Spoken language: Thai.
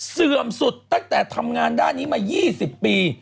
เสื่อมสุดตั้งแต่ทำงานด้านนี้มา๒๐ปี